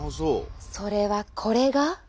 それはこれが。